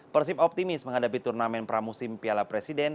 persib optimis menghadapi turnamen pramusim piala presiden